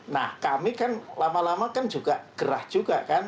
nah kami kan lama lama kan juga gerah juga kan